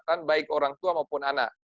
kan baik orang tua maupun anak